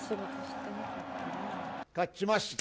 勝ちました！